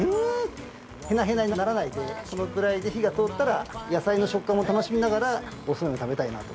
ヘナヘナにならないでこのくらいで火が通ったら野菜の食感も楽しみながらおそうめん食べたいなと。